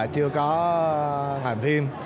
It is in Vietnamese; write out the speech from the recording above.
chưa có hành phim